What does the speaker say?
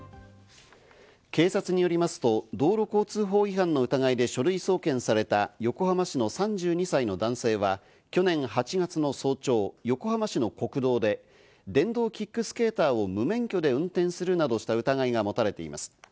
警察によりますと、道路交通法違反の疑いで書類送検された横浜市の３２歳の男性は去年８月の早朝、横浜市の国道で電動キックスケーターを無免許で運転するなどした疑いが持たれています。